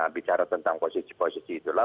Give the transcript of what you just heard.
bicara tentang posisi posisi itulah